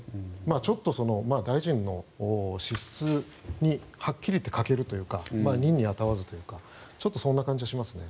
ちょっと大臣の資質にはっきり言って欠けるというか任に能わずというかそんな感じがしますね。